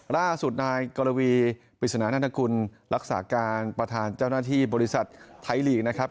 ล่าสุดนายกรวีปริศนานันทกุลรักษาการประธานเจ้าหน้าที่บริษัทไทยลีกนะครับ